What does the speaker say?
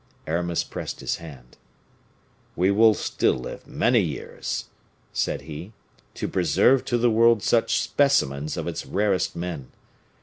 Aramis pressed his hand: "We will still live many years," said he, "to preserve to the world such specimens of its rarest men.